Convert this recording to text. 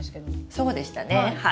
そうでしたねはい。